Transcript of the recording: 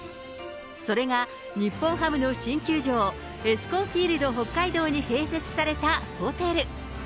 それが日本ハムの新球場、エスコンフィールド北海道に併設されたホテル。